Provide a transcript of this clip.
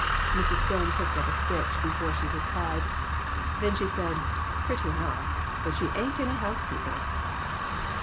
Mrs. Stone picked up a stitch before she replied, then she said "Pretty enough! But she ain't any housekeeper."